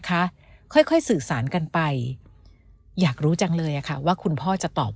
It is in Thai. คะค่อยค่อยสื่อสารกันไปอยากรู้จังเลยอะค่ะว่าคุณพ่อจะตอบ